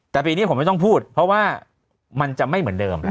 แต่ปีนี้ผมไม่ต้องพูดเพราะว่ามันจะไม่เหมือนเดิม